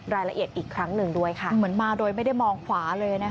รายละเอียดอีกครั้งหนึ่งด้วยค่ะเหมือนมาโดยไม่ได้มองขวาเลยนะคะ